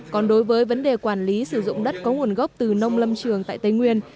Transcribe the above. còn đối với vấn đề quản lý sử dụng đất có nguồn gốc từ nông lâm trường tại tây nguyên